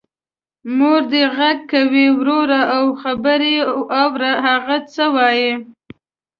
مور دی غږ کوې وروره او خبر یې اوره هغه څه وايي.